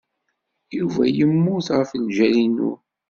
Yuba yemmut ɣef ljal-inu.